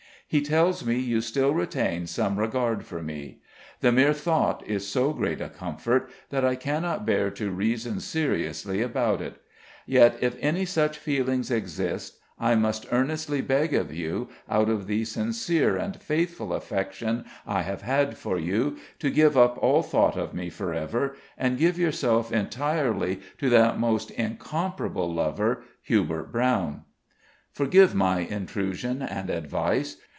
He tells me you still retain some regard for me; the mere thought is so great a comfort that I cannot bear to reason seriously about it; yet, if any such feelings exist, I must earnestly beg of you, out of the sincere and faithful affection I have had for you, to give up all thought of me for ever, and give yourself entirely to that most incomparable lover, Hubert Brown. "Forgive my intrusion and advice.